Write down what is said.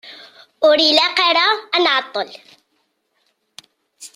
Ur ilaq ara ad nεeṭṭel.